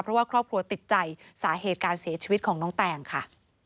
เพราะว่าครอบครัวติดใจสาเหตุการเสียชีวิตของน้องแตงค่ะ